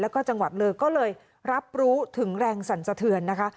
แล้วก็จังหวัดเลยก็เลยรับรู้ถึงแรงสั่นสะเทือนนะคะ